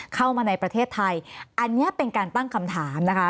เข้ามาในประเทศไทยอันนี้เป็นการตั้งคำถามนะคะ